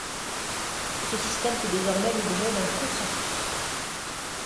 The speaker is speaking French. Ce système fait désormais l'objet d'un consensus.